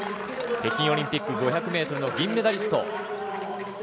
北京オリンピック５００ｍの銀メダリスト。